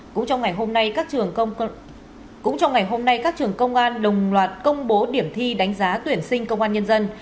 cũng trong ngày hôm nay các trường công an đồng loạt công bố điểm thi đánh giá tuyển sinh công an nhân dân